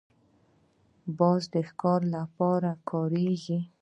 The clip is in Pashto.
باز د ښکار لپاره کارېږي